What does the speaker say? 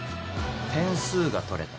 点数が取れた。